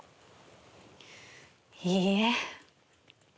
いいえ。